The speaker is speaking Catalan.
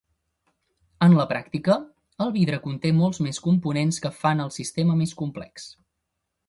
En la pràctica, el vidre conté molts més components que fan el sistema més complex.